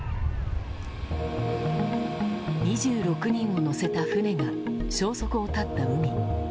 ２６人を乗せた船が消息を絶った海。